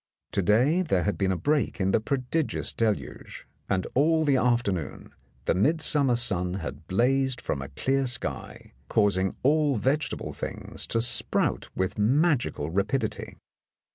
To day there had been a break in the prodigious deluge, and all the afternoon the midsummer sun had blazed from a clear sky, causing all vegetable things to sprout with magical rapidity.